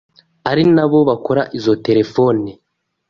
ari nabo bakora izo telefone,